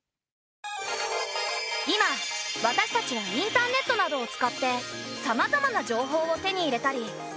今私たちはインターネットなどを使ってさまざまな情報を手に入れたり発信したりしている。